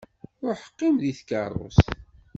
Ruḥ qqim deg tkeṛṛust.